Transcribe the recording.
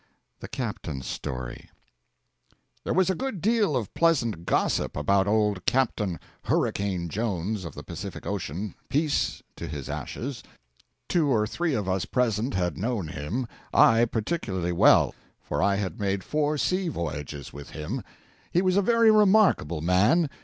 THE CAPTAIN'S STORY There was a good deal of pleasant gossip about old Captain 'Hurricane' Jones, of the Pacific Ocean peace to his ashes! Two or three of us present had known him; I, particularly well, for I had made four sea voyages with him. He was a very remarkable man.